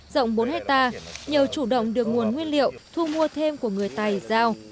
rộng bốn hectare nhờ chủ động được nguồn nguyên liệu thu mua thêm của người tài giao